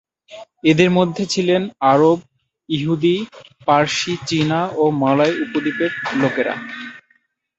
এঁদের মধ্যে ছিলেন আরব, ইহুদি, পারসি, চীনা ও মালয় উপদ্বীপের লোকেরা।